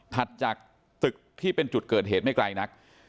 จากตึกที่เป็นจุดเกิดเหตุไม่ไกลนัก